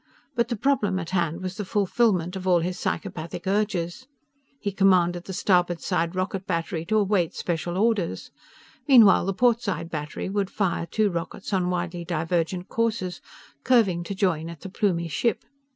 But the problem at hand was the fulfillment of all his psychopathic urges. He commanded the starboard side rocket battery to await special orders. Meanwhile the port side battery would fire two rockets on widely divergent courses, curving to join at the Plumie ship.